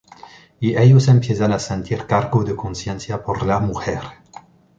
Y ellos empiezan a sentir cargo de conciencia por la mujer.